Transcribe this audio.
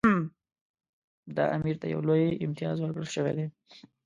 دا امیر ته یو لوی امتیاز ورکړل شوی دی.